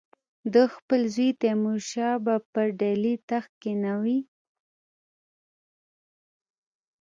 ده خپل زوی تیمورشاه به پر ډهلي تخت کښېنوي.